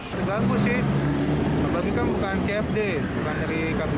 terganggu sih pagi kan bukan cfd bukan dari kpt